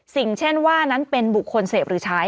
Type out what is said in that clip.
เช่นว่านั้นเป็นบุคคลเสพหรือใช้